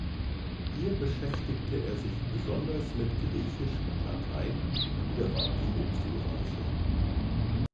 Hier beschäftigte er sich besonders mit Griechisch und Latein und erwarb die Hochschulreife.